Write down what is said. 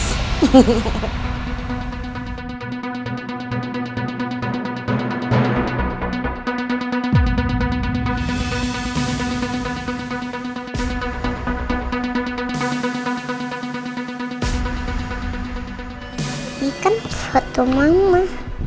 ini kan foto mama